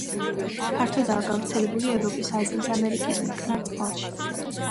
ფართოდაა გავრცელებული ევროპის, აზიის, ამერიკის მტკნარ წყალში.